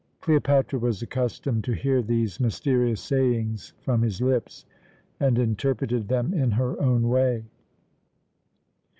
Cleopatra was accustomed to hear these mysterious sayings from his lips, and interpreted them in her own way.